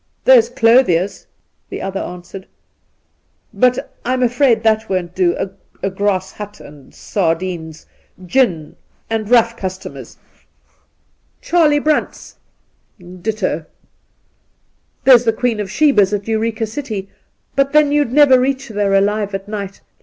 ' There's Clothier's,' the other answered ;' but I'm afraid that won't do — a grass hut, and sardines, gin, and rough customers. Charlie Brandt's — ditto ! There's the Queen of Sheba's at Eureka City; but, then, you'd never reach there alive — at night.